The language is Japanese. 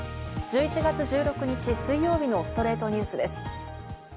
１１月１６日、水曜日の『ストレイトニュース』です。